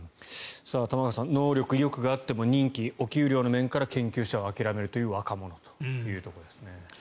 玉川さん能力、意欲があっても任期、お給料の面から研究者を諦める若者というところですね。